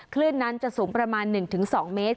คลื่นนั้นจะสูงประมาณ๑๒เมตร